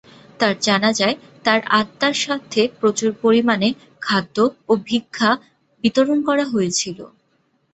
তার জানাজায় তার আত্মার স্বার্থে প্রচুর পরিমাণে খাদ্য ও ভিক্ষা বিতরণ করা হয়েছিল।